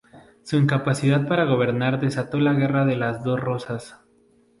Su incapacidad para gobernar desató la Guerra de las Dos Rosas.